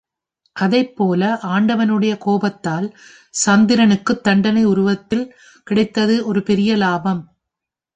அதைப்போல, ஆண்டவனுடைய கோபத்தால் சந்திரனுக்குத் தண்டனை உருவத்தில் கிடைத்தது ஒரு பெரிய லாபம்.